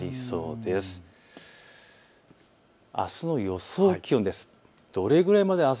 あすの予想気温です。